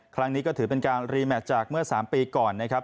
ครั้งนี้ก็ถือเป็นการรีแมชจากเมื่อ๓ปีก่อนนะครับ